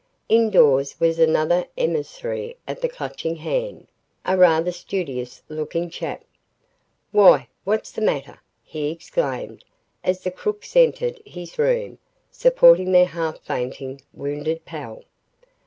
Indoors was another emissary of the Clutching Hand, a rather studious looking chap. "Why, what's the matter?" he exclaimed, as the crooks entered his room, supporting their half fainting, wounded pal.